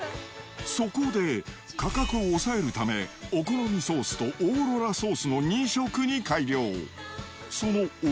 そこで、価格を抑えるため、お好みソースとオーロラソースの２色に改良。